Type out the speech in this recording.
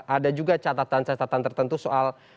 ada juga catatan catatan tertentu soal